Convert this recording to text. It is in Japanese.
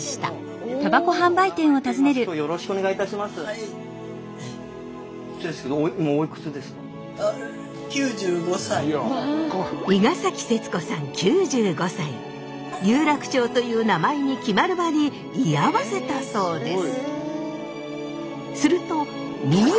失礼ですけど今有楽町という名前に決まる場に居合わせたそうです。